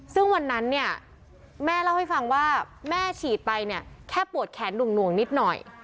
ซึ่งวันนั้นเนี่ยแม่เล่าให้ฟังว่าแม่ฉีดไปเนี่ยแค่ปวดแขนหน่วงนิดหน่อย